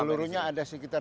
seluruhnya ada sekitar